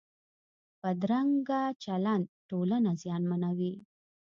بدرنګه چلند ټولنه زیانمنوي